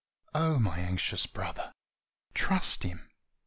103 O my anxious brother, trust Him!